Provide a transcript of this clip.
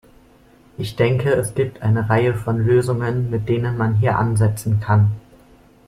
Ich denke, es gibt eine Reihe von Lösungen, mit denen man hier ansetzen kann.